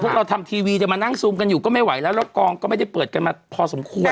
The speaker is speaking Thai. เราทำทีวีจะมานั่งซูมกันอยู่ก็ไม่ไหวแล้วแล้วกองก็ไม่ได้เปิดกันมาพอสมควร